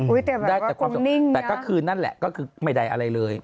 อุ๊ยแต่แบบว่ากลงนิ่งนะแต่ก็คืนนั่นแหละก็คือไม่ได้อะไรเลย